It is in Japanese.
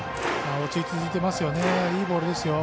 落ち着いていますよね。